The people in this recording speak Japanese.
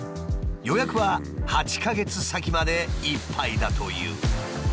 予約は８か月先までいっぱいだという。